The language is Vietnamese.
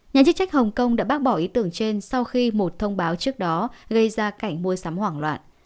nhà chức trách hồng kông đã bác bỏ ý tưởng trên sau khi một thông báo trước đó gây ra cảnh mua sắm hoảng loạn